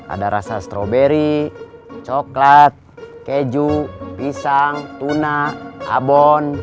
ada rasa stroberi coklat keju pisang tuna abon